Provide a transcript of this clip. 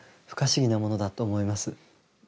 不可思議なものだと思います。